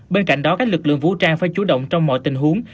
bên cạnh đó các lực lượng vũ trang phải chủ động trong mọi tình huống